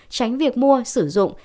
tránh việc mua sử dụng